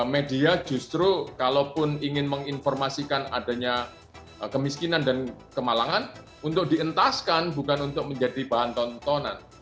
media justru kalaupun ingin menginformasikan adanya kemiskinan dan kemalangan untuk dientaskan bukan untuk menjadi bahan tontonan